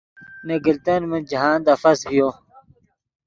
نے گلتن من جاہند افس ڤیو